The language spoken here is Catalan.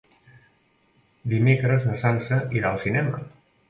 Dimecres na Sança irà al cinema.